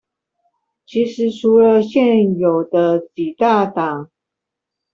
其實除了現有的幾大黨